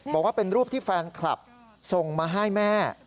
บอกว่าเป็นรูปที่แฟนคลับส่งมาให้แม่